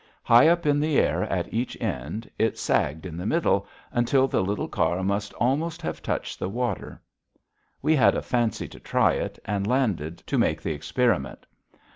High up in the air at each end, it sagged in the middle until the little car must almost have touched the water. We had a fancy to try it, and landed to make the experiment.